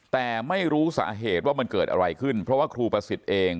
แต่ไม่รู้สาเหตุว่ามันเกิดอะไรขึ้นเพราะว่าครูประสิทธิ์เอง